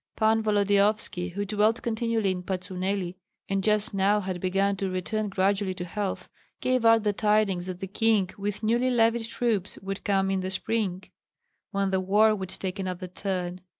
Pan Volodyovski, who dwelt continually in Patsuneli, and just now had begun to return gradually to health, gave out the tidings that the king with newly levied troops would come in the spring, when the war would take another turn.